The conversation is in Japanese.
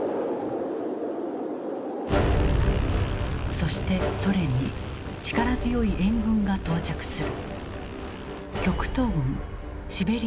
そしてソ連に力強い援軍が到着する。